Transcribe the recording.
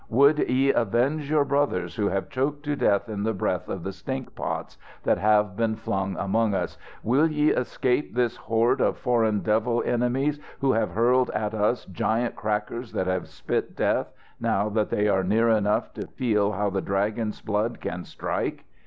Would ye avenge your brothers who have choked to death in the breath of the stink pots that have been flung among us? Will ye let escape this horde of Foreign Devil enemies who have hurled at us giant crackers that have spit death, now that they are near enough to feel how the Dragon's blood can strike?